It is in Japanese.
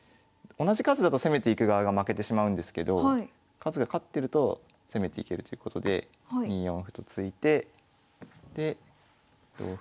同じ数だと攻めていく側が負けてしまうんですけど数が勝ってると攻めていけるということで２四歩と突いてで同歩。